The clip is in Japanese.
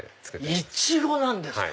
イチゴなんですか！